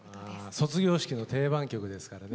卒業式の定番曲ですからね。